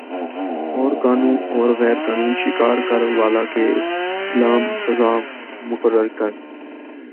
اورقانو اور غیر قانون شکار کر والہ کے ل سزا مقرر کر